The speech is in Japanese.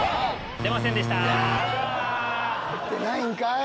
出ないんかい！